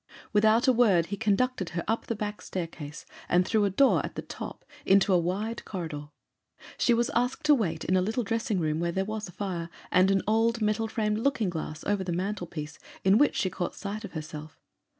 Without a word he conducted her up the back staircase, and through a door at the top, into a wide corridor. She was asked to wait in a little dressing room, where there was a fire, and an old metal framed looking glass over the mantel piece, in which she caught sight of herself.